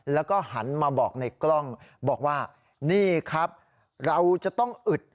แล้วก็หันมาบอกในกล้องบอกว่านี่ครับเราจะต้องอึด